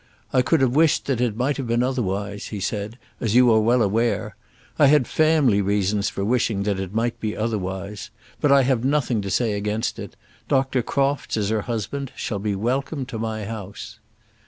"I could have wished that it might have been otherwise," he said, "as you are well aware. I had family reasons for wishing that it might be otherwise. But I have nothing to say against it. Dr. Crofts, as her husband, shall be welcome to my house."